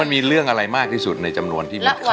สามีก็ต้องพาเราไปขับรถเล่นดูแลเราเป็นอย่างดีตลอดสี่ปีที่ผ่านมา